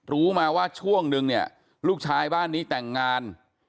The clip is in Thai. รู้มาว่าช่วงนึงเนี่ยลูกชายบ้านนี้แต่งงาน